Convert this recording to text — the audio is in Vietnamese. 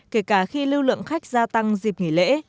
kể cả khi lưu lượng khách gia tăng dịp nghỉ lễ